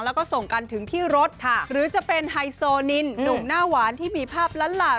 แล้วก็ส่งกันถึงที่รถหรือจะเป็นไฮโซนินหนุ่มหน้าหวานที่มีภาพล้านหลา